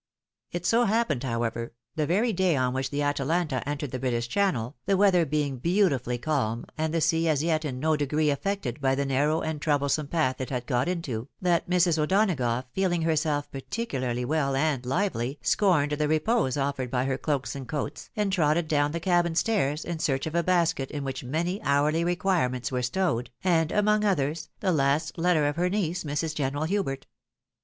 It so happened, however, the very day on which the Atalanta entered the British Channel, the weather being beautifully calm, and the sea as yet in no degree affected by the narrow and troublesome path it had got into, that Mrs. O'Donagough feel ing herself particularly well and hvely, scorned the repose offered by her cloaks and coats, and trotted down the cabin stairs in search of a basket in which many hourly requirements were stowed, and among others, the last letter of her niece, Mrs. General Hubert.